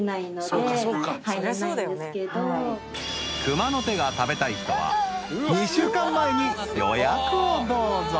［熊の手が食べたい人は２週間前に予約をどうぞ］